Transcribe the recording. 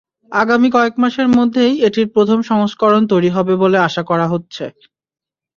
আগামী কয়েক মাসের মধ্যেই এটির প্রথম সংস্করণ তৈরি হবে বলে আশা করা হচ্ছে।